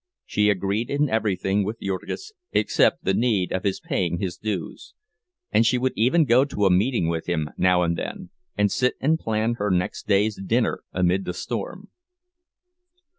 She agreed in everything with Jurgis, except the need of his paying his dues; and she would even go to a meeting with him now and then, and sit and plan her next day's dinner amid the storm.